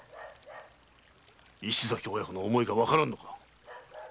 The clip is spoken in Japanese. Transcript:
石崎親子の思いがわからぬのか。